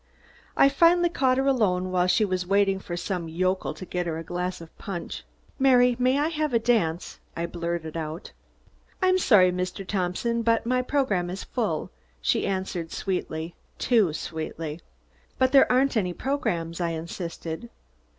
I finally caught her alone while she was waiting for some yokel to get her a glass of punch. "Mary, may I have a dance?" I blurted out. "I'm sorry, Mr. Thompson, but my program is full," she answered sweetly too sweetly. "But there aren't any programs," I insisted.